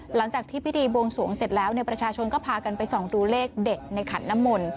หลังจากที่พิธีบวงสวงเสร็จแล้วประชาชนก็พากันไปส่องดูเลขเด็ดในขันน้ำมนต์